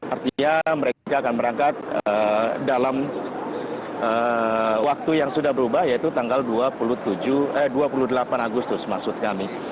artinya mereka akan berangkat dalam waktu yang sudah berubah yaitu tanggal dua puluh delapan agustus maksud kami